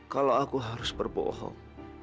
kalau aku harus berbohong